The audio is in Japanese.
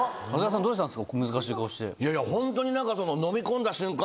どうしたんですか？